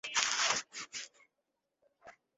বক্সটা ঠিক তাই।